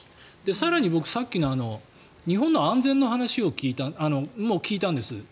更にさっきの日本の安全の話も聞いたんです。